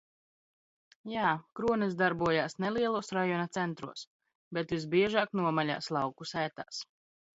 -Jā. Kronis darbojās nelielos rajona centros. Bet visbiežāk- nomaļās lauku sētās.